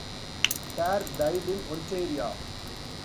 Carr died in Ontario.